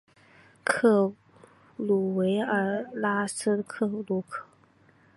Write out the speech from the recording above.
克吕维耶尔拉斯库尔。